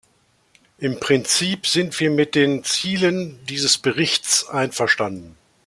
Im Prinzip sind wir mit den Zielen dieses Berichts einverstanden.